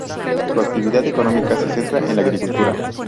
Su actividad económica se centra en la agricultura.